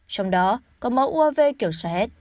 trong đó có mẫu uav kiểu shahed